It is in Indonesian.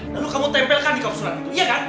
lalu kamu tempelkan di kaupsolat itu iya kan